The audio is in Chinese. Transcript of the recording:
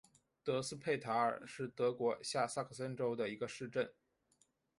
德斯佩塔尔是德国下萨克森州的一个市镇。